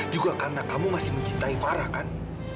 juga karena kamu masih mencintai farah kan